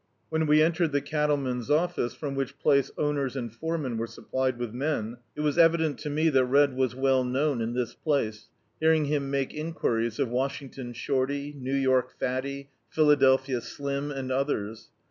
When we entered the cattleman's office, from which place owners and foremen were supplied with men, it was evident to me that Red was well known in this place, hearing him make enquiries of Washing ton Shorty, New York Fatty, Philadelphia Slim, and others.